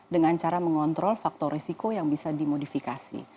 dengan cara mengontrol faktor risiko yang bisa dimodifikasi